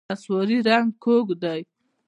نسواري رنګ کږ دی.